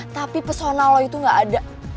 tapi persona lo itu gak ada